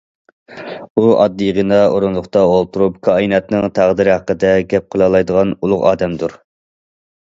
ئۇ ئاددىيغىنە ئورۇندۇقتا ئولتۇرۇپ كائىناتنىڭ تەقدىرى ھەققىدە گەپ قىلالايدىغان ئۇلۇغ ئادەمدۇر.